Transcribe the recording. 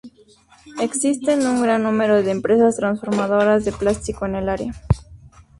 Existen un gran número de empresas transformadoras de plástico en el área.